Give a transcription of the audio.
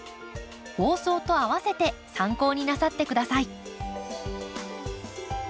放送とあわせて参考になさって下さい。